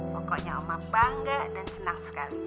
pokoknya omam bangga dan senang sekali